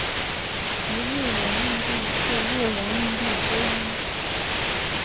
一日圆硬币是日圆硬币之一。